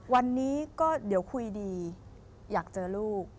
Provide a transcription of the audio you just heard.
วันนี้ก็เดี๋ยวคุยดีอยากเจอลูก